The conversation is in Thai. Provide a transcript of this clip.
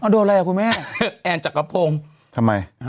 โดดอะไรครับคุณแม่แอร์จากกระโพงทำไม